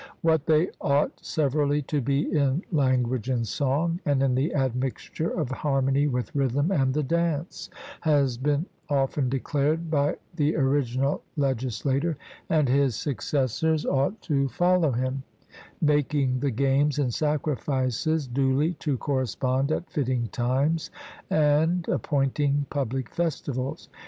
What they ought severally to be in language and song, and in the admixture of harmony with rhythm and the dance, has been often declared by the original legislator; and his successors ought to follow him, making the games and sacrifices duly to correspond at fitting times, and appointing public festivals.